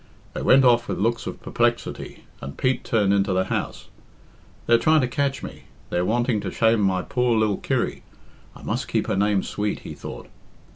They went off with looks of perplexity, and Pete turned into the house. "They're trying to catch me; they're wanting to shame my poor lil Kirry. I must keep her name sweet," he thought.